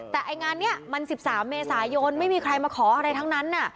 แต่ไอ้งานนี้มัน๑๓เมษายนไม่มีใครมาขออะไรทั้งนั้น